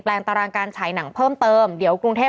เป็นการกระตุ้นการไหลเวียนของเลือด